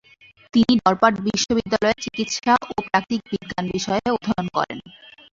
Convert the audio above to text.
তিনি ডরপাট বিশ্ববিদ্যালয়ে চিকিৎসা ও প্রাকৃতিক বিজ্ঞান বিষয়ে অধ্যয়ন করেন।